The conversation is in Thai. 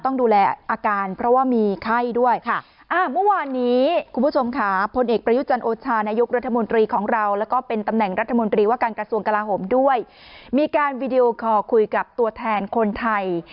ต้องดูแลอาการเพราะว่ามีไข้ด้วย